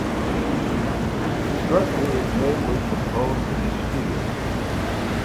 The structure is mainly composed of steel.